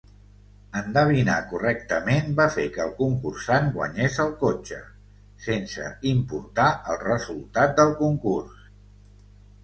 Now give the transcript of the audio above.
Endevinar correctament va fer que el concursant guanyés el cotxe, sense importar el resultat del concurs.